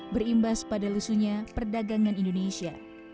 berimbas pada lesunya perdagangan indonesia